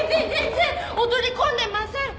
お取り込んでません！